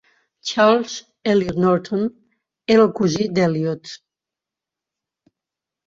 Charles Eliot Norton era el cosí d'Eliot.